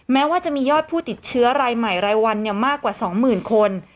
แม้ว่าจะมียอดผู้ติดเชื้อรายใหม่รายวันมากกว่า๒๐๐๐คน